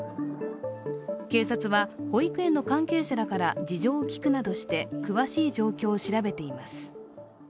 警察は保育園の関係者らから事情を聞くなどして詳しい状況を調べています。